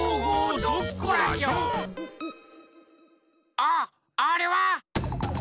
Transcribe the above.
あっあれは！